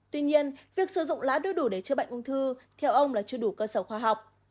tuy nhiên việc sử dụng lá đưa đủ để chữa bệnh ung thư theo ông là chưa đủ cơ sở khoa học